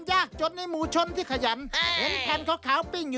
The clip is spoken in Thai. เย็นแห้งไม่ซ้าย